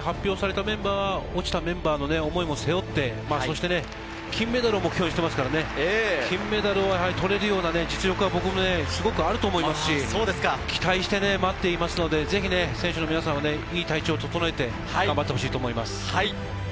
発表されたメンバーは落ちたメンバーの思いも背負って金メダルを目標にしていますから、金メダルを取れるような実力があると思いますし、期待して待っていますので、選手の皆さん、体調を整えて頑張ってほしいと思います。